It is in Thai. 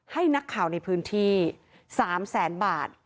ให้นักข่าวในพื้นที่๓แสนบาท